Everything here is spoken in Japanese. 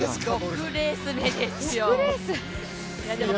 ６レース目ですよ。